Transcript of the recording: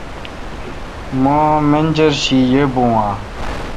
مہ منجر شی یی بون اہ؟